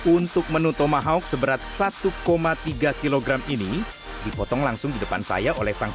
untuk menu tomahawk seberat satu tiga kg ini dipotong langsung di depan saya oleh sang